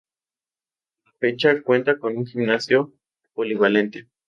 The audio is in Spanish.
A la fecha, cuenta con un gimnasio polivalente.